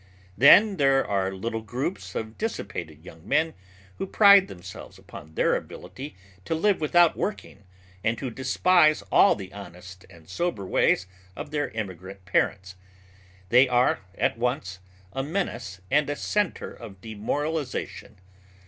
Then there are little groups of dissipated young men who pride themselves upon their ability to live without working and who despise all the honest and sober ways of their immigrant parents. They are at once a menace and a center of demoralization.